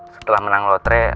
setelah menang lotre